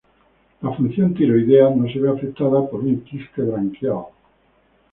La función tiroidea no se ve afectada por un quiste branquial.